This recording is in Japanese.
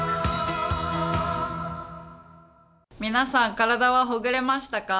皆さん、体はほぐれましたか？